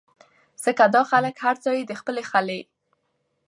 ځکه دا خلک هر ځائے د خپلې خلې